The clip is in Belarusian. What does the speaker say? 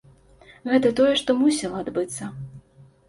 Гэта тое, што мусіла адбыцца.